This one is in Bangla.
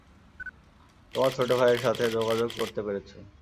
তোমার ছোট ভাইয়ের সাথে যোগাযোগ করতে পেরেছ?